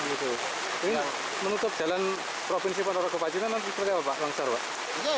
ini menutup jalan provinsi ponorogo pacitan atau langsor pak